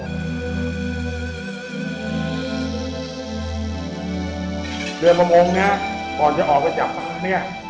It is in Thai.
เดือนประมงเนี่ยก่อนจะออกไปจับปลาเนี่ย